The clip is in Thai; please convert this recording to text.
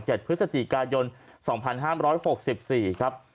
เจ็ดพฤศจีกราชยนต์๒๕๖๔ครับ